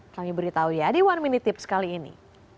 kami beritahu ya di one minute tips kali ini